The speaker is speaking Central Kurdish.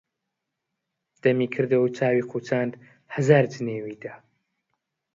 دەمی کردوە و چاوی قوچاند، هەزار جنێوی دا: